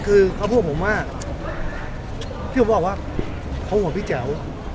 คือเขาพูดกับผมว่าพี่ผมบอกว่าเขาห่วงพี่แจ๋ว